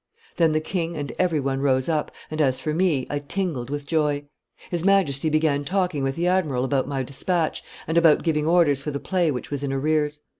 Then the king and every one rose up, and, as for me, I tingled with joy. His Majesty began talking with the admiral about my despatch and about giving orders for the pay which was in arrears.